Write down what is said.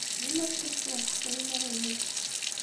Dima tettakfeḍ lḥeqq i yiman-nnek.